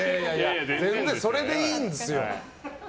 全然それでいいんですよ。